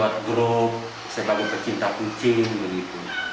untuk mencari penyelidikan kucing kucing yang saya mencari di kursi ini saya meminta kepada